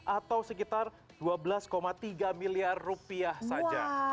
atau sekitar dua belas tiga miliar rupiah saja